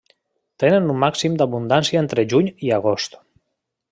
Tenen un màxim d'abundància entre juny i agost.